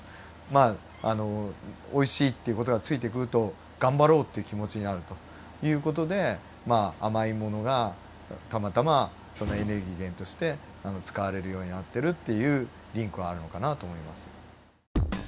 まあおいしいっていう事がついてくると頑張ろうっていう気持ちになるという事でまあ甘いものがたまたまそのエネルギー源として使われるようになってるっていうリンクがあるのかなと思います。